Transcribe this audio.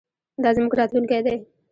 دا زموږ راتلونکی دی.